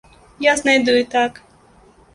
Я знайду і так.